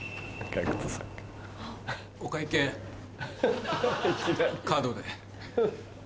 お会計カードで。